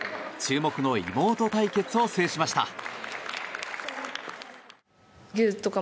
注目の妹対決を制しました。